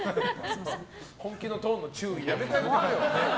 本気のトーンの注意やめて。